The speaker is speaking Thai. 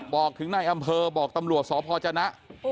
บอกถึงในอำเภอบอกตำรวจสพจนะ